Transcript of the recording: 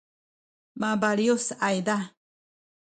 mabaliyus ayza